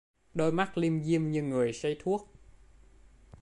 Đôi mắt lim dim như người say thuốc